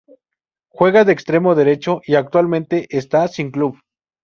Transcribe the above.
Juega de extremo derecho y actualmente está sin club.